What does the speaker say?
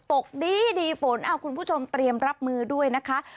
ตกดีดีฝนคุณผู้ชมเตรียมรับมือด้วยนะคะ